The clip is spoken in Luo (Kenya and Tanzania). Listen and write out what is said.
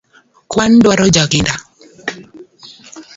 Kwano duaro jakinda